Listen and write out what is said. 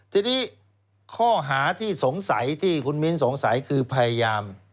ทีนี้ข้อหาที่สงสัยที่คุณมิ้นสงสัยคือพยายาม